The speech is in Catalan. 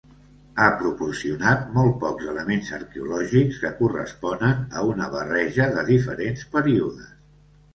Ha proporcionat molt pocs elements arqueològics que corresponen a una barreja de diferents períodes.